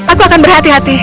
aku akan berhati hati